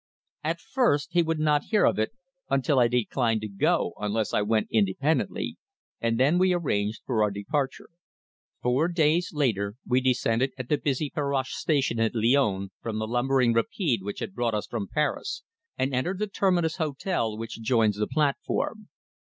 At first he would not hear of it, until I declined to go unless I went independently, and then we arranged for our departure. Four days later we descended at the big busy Perrache station at Lyons from the lumbering rapide which had brought us from Paris, and entered the Terminus Hôtel which adjoins the platform.